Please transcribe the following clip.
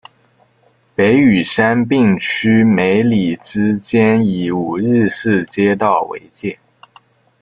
北与杉并区梅里之间以五日市街道为界。